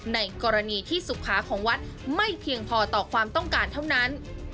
ในกรณีที่สุขาของวัดไม่เพียงพอต่อความต้องการเท่านั้น